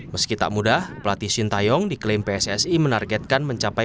meski tak mudah pelatih shin taeyong diklaim pssi menargetkan mencapai